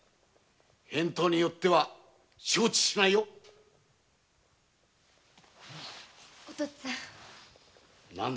返答によっては承知しないよお父っつぁん。